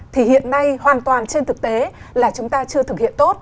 thì hiện nay hoàn toàn trên thực tế là chúng ta chưa thực hiện tốt